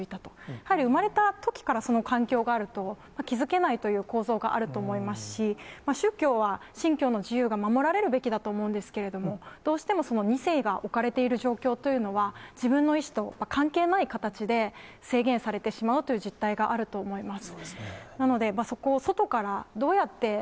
やはり生まれたときからその環境があると、気付けないという構造があると思いますし、宗教は信教の自由が守られるべきだと思うんですけれども、どうしてもその２世が置かれている状況というのは、自分の意思と関係のない形で、制限されてしまうという実態があると思います。